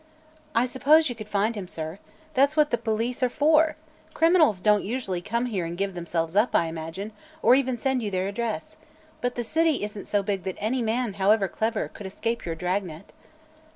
"I suppose you could find him, sir. That's what the police are for. Criminals don't usually come here and give themselves up, I imagine, or even send you their address. But the city isn't so big that any man, however clever, could escape your dragnet."